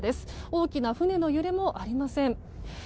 大きな船の揺れもありません。